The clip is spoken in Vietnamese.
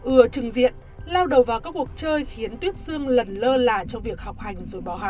ừa trừng diện lao đầu vào các cuộc chơi khiến tuyết xương lần lơ là trong việc học hành rồi bỏ học